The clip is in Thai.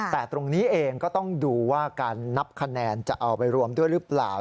แต่ตรงนี้เองก็ต้องดูว่าการนับคะแนนจะเอาไปรวมด้วยหรือเปล่า